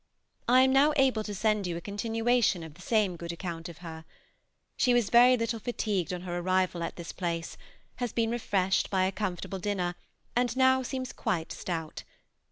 I am now able to send you a continuation of the same good account of her. She was very little fatigued on her arrival at this place, has been refreshed by a comfortable dinner, and now seems quite stout.